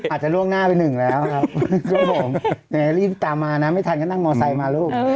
อาจจะล่วงหน้าไปหนึ่งแล้วครับรีบตามมานะไม่ทันก็นั่งมอเซอร์ไซส์มาลูก